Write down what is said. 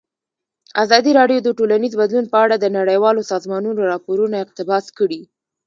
ازادي راډیو د ټولنیز بدلون په اړه د نړیوالو سازمانونو راپورونه اقتباس کړي.